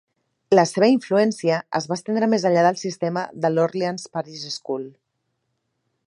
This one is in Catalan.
La seva influència es va estendre més enllà del sistema de l'Orleans Parish School.